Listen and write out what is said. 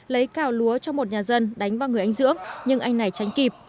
lấy cào lúa cho một nhà dân đánh vào người anh dưỡng nhưng anh này tránh kịp